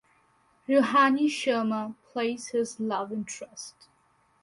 Ruhani Sharma plays his love interest.